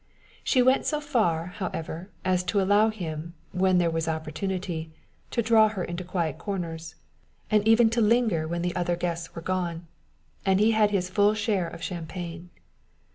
She went so far, however, as to allow him, when there was opportunity, to draw her into quiet corners, and even to linger when the other guests were gone, and he had had his full share of champagne.